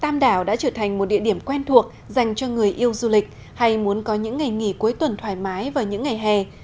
tạm đảo đã trở thành một địa điểm quen thuộc dành cho người yêu du lịch hay muốn có những ngày nghỉ cuối tuần thoải mái vào những ngày hè